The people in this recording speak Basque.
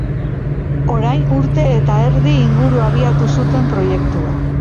Orain urte eta erdi inguru abiatu zuten proiektua.